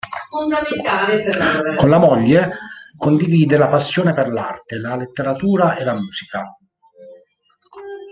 Con la moglie condivide la passione per l’arte, la letteratura e la musica.